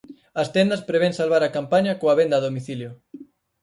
As tendas prevén salvar a campaña coa venda a domicilio.